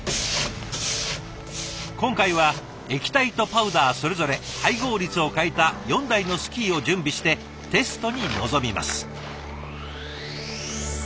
今回は液体とパウダーそれぞれ配合率を変えた４台のスキーを準備してテストに臨みます。